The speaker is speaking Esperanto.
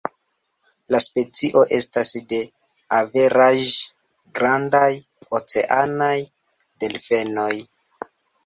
La specio estas de averaĝ-grandaj oceanaj delfenoj.